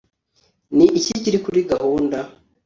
Ni iki kiri kuri gahunda